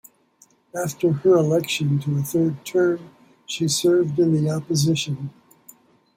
After her election to a third term she served in the opposition.